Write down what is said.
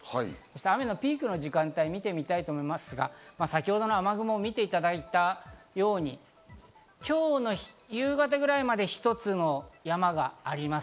雨のピークの時間帯を見てみたいと思いますが、先程の雨雲を見ていただいたように今日の夕方くらいまで一つの山があります。